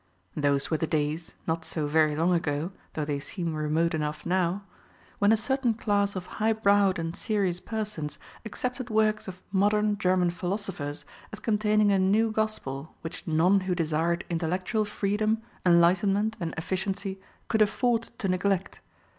Those were the days not so very long ago, though they seem remote enough now when a certain class of high browed and serious persons accepted works of modern German philosophers as containing a new gospel which none who desired intellectual freedom, enlightenment, and efficiency could afford to neglect.